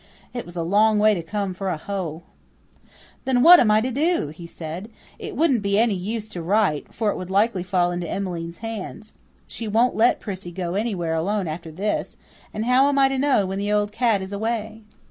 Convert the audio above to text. It was a long way to come for a hoe. "Then what am I to do?" he said. "It wouldn't be any use to write, for it would likely fall into Emmeline's hands. She won't let Prissy go anywhere alone after this, and how am I to know when the old cat is away?"